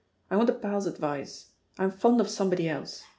I want a pal's advice. I'm fond of somebody else.